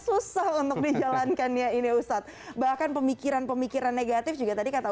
susah untuk dijalankannya ini ustadz bahkan pemikiran pemikiran negatif juga tadi kata